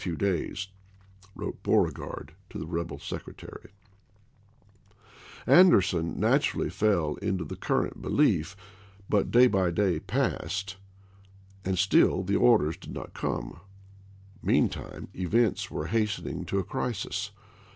27,i86i, few days," wrote Beauregard to the rebel secretary, i.', p! 233" Anderson naturally fell into the current belief; 24 ABKAHAM LINCOLN Chap. II. but day by day passed, and still the orders did not come. Meantime events were hastening to a crisis.